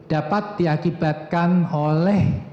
dapat diakibatkan oleh